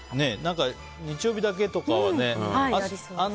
日曜日だけとかはね。